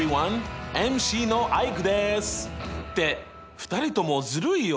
２人ともずるいよ！